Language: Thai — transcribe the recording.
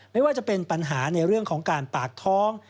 ไม่ว่าจะเป็นปัญหาในเรื่องของการปากท้อง